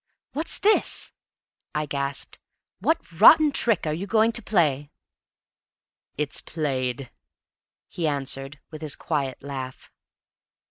"What's this?" I gasped. "What rotten trick are you going to play?" "It's played," he answered, with his quiet laugh.